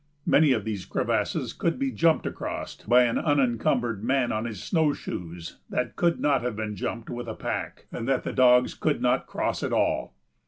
Many of these crevasses could be jumped across by an unencumbered man on his snow shoes that could not have been jumped with a pack and that the dogs could not cross at all.